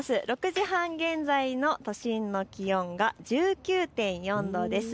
６時半現在の都心の気温が１９．４度です。